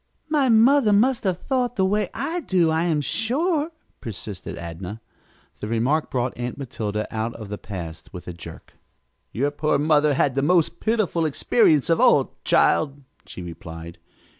"My mother must have thought the way I do, I am sure," persisted Adnah. The remark brought Aunt Matilda out of the past with a jerk. "Your poor mother had the most pitiful experience of all, child," she replied.